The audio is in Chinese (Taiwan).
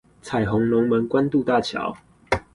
彩虹龍門關渡大橋